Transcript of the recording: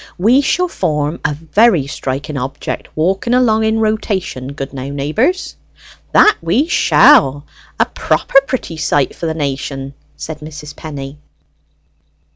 We shall form a very striking object walking along in rotation, good now, neighbours?" "That we shall: a proper pretty sight for the nation," said Mrs. Penny.